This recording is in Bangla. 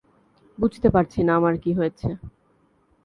বুঝতে পারছি না আমার কী হয়েছে।